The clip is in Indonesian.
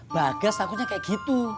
bagas takutnya kayak gitu